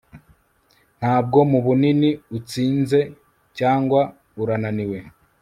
ntabwo mubunini utsinze cyangwa urananiwe